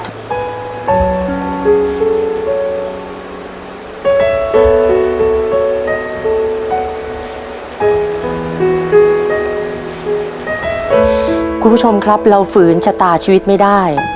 คุณผู้ชมครับเราฝืนชะตาชีวิตไม่ได้